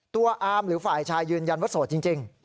อามหรือฝ่ายชายยืนยันว่าโสดจริง